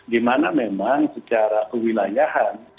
di mana memang secara kewilayahan